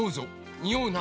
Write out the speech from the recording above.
におうな。